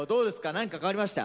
何か変わりました？